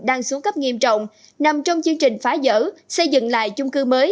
đang xuống cấp nghiêm trọng nằm trong chương trình phá giỡn xây dựng lại chung cư mới